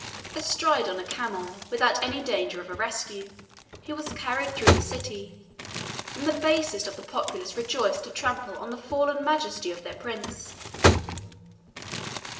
Astride on a camel, without any danger of a rescue, he was carried through the city, and the basest of the populace rejoiced to trample on the fallen majesty of their prince.